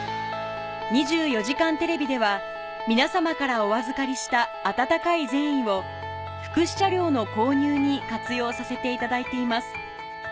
『２４時間テレビ』では皆様からお預かりした温かい善意を福祉車両の購入に活用させていただいています